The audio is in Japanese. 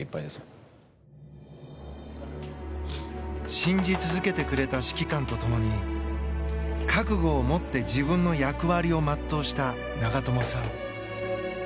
信じ続けてくれた指揮官と共に覚悟を持って自分の役割を全うした長友さん。